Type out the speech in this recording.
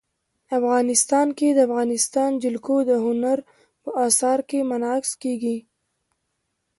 افغانستان کې د افغانستان جلکو د هنر په اثار کې منعکس کېږي.